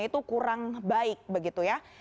itu kurang baik begitu ya